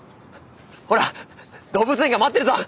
ほら動物園が待ってるぞ。